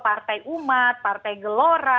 partai umat partai gelora